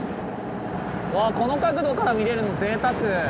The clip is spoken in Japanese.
うわこの角度から見れるのぜいたく！